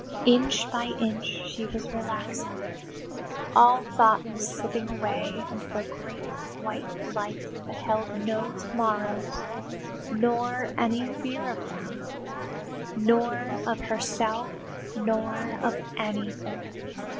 Inch by inch she was relaxing. All thought was slipping away into a great white light that held no to morrows, nor any fear of them, nor of herself, nor of anything.